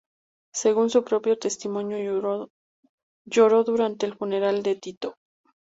Según su propio testimonio, lloró durante el funeral de Tito.